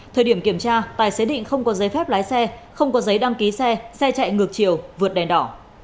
thời điểm kiểm tra tài xế định không có giấy phép lái xe không có giấy đăng ký xe xe chạy ngược chiều vượt đèn đỏ